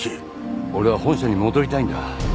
俺は本社に戻りたいんだ。